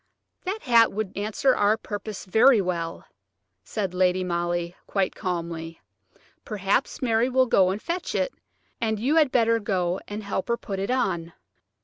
"That hat would answer our purpose very well," said Lady Molly, quite calmly. "Perhaps Mary will go and fetch it, and you had better go and help her put it on."